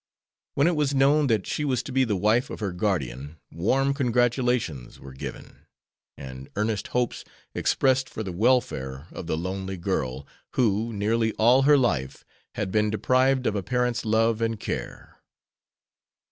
When it was known that she was to be the wife of her guardian, warm congratulations were given, and earnest hopes expressed for the welfare of the lonely girl, who, nearly all her life, had been deprived of a parent's love and care.